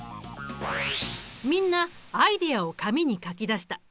みんなアイデアを紙に書き出した。